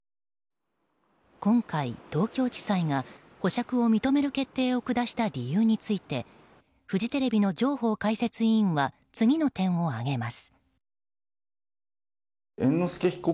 今回東京地裁が保釈を認める決定を下した理由についてフジテレビの上法解説委員は次の点を挙げます。